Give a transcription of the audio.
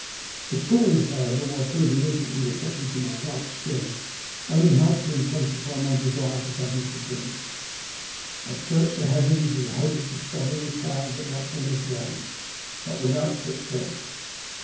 The coolness, however, while proving infinitely refreshing to my parched skin, only helped to intensify my desire for something to drink. I searched the heavens in the hope of discovering a cloud that might bring us rain, but without success.